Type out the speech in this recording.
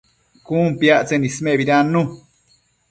Cun piactsen ismebidannu